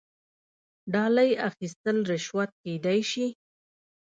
ډالۍ اخیستل رشوت کیدی شي